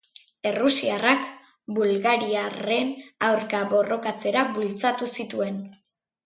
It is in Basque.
Errusiarrak bulgariarren aurka borrokatzera bultzatu zituen.